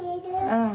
うん。